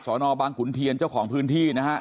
นบางขุนเทียนเจ้าของพื้นที่นะฮะ